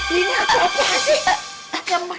ini apaan sih